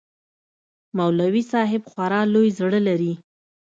مولوى صاحب خورا لوى زړه لري.